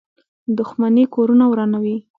• دښمني کورونه ورانوي.